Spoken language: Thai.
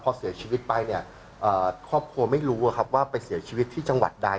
พอเสียชีวิตไปเนี่ยครอบครัวไม่รู้ว่าไปเสียชีวิตที่จังหวัดใด